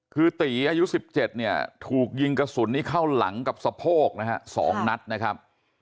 คือตีอายุ๑๗เนี่ยถูกยิงกระสุนนี้เข้าหลังกับสะโพกนะฮะ๒นัดนะครับ